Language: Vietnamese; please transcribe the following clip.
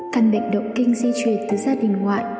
căn bệnh động kinh di chuyển từ gia đình ngoại